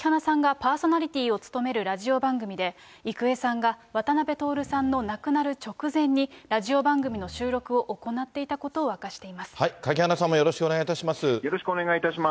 そしてきのう、垣花さんがパーソナリティーを務めるラジオ番組で、郁恵さんが渡辺徹さんの亡くなる直前にラジオ番組の収録を行って垣花さんもよろしくお願いしよろしくお願いいたします。